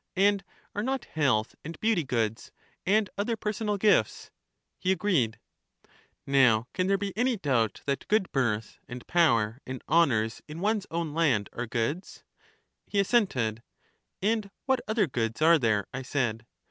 And are not health and beauty goods, and other personal gifts? He agreed. Now, can there be any doubt that good birth, and power, and honors in one's own land, are goods? He assented. And what other goods are there? I said.